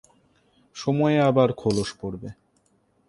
সময়ে আবার খোলস পড়বে।